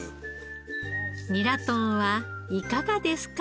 ニラ豚はいかがですか？